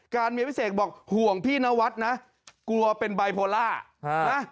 เมียพิเศษบอกห่วงพี่นวัดนะกลัวเป็นบายโพล่านะ